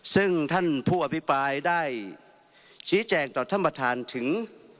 ซึ่งท่านผู้อภิปรายได้ชี้แจงต่อท่านประธานถึง